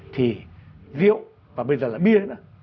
thì rượu và bây giờ là bia nữa